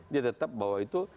dia tetap bahwa itu